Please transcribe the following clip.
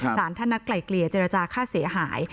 สารท่านนัดไกลเกลี่ยเจรจาค่าเสียหาย